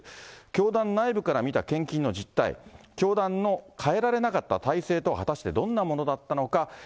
教団内部から見た献金の実態、教団の変えられなかった体制とは、果たしてどんなものだったのか。